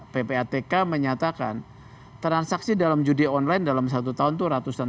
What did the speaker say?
ppatk menyatakan transaksi dalam judi online dalam satu tahun itu ratusan